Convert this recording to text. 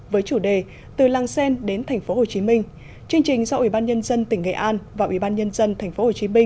với chủ đề từ làng xen đến tp hcm chương trình do ủy ban nhân dân tỉnh nghệ an và ủy ban nhân dân tp hcm